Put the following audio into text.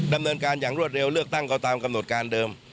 ดำเนินการอย่างรวดเร็วเลือกตั้งก็ตามกำหนดการเดิม